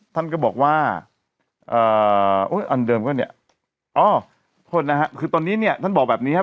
ท่านก็บอกว่าเอ่ออันเดิมก็เนี่ยอ๋อโทษนะฮะคือตอนนี้เนี่ยท่านบอกแบบนี้ครับ